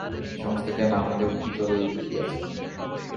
সমস্ত জ্ঞান আমাদের ভিতরেই রহিয়াছে।